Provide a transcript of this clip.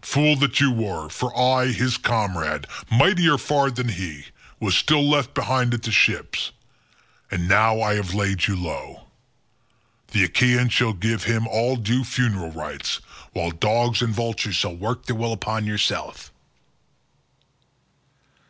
Fool that you were: for I, his comrade, mightier far than he, was still left behind him at the ships, and now I have laid you low. The Achaeans shall give him all due funeral rites, while dogs and vultures shall work their will upon yourself."